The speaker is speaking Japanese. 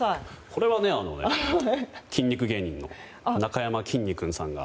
これは、筋肉芸人のなかやまきんに君さんが。